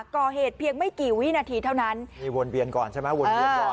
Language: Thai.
ก่อเหตุเพียงไม่กี่วินาทีเท่านั้นวนเบียนก่อนใช่ไหมนะอือ